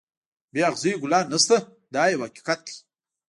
بې اغزیو ګلان نشته دا یو حقیقت دی.